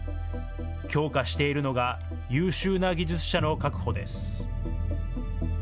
強化しているのが、優秀な技術者の確保です。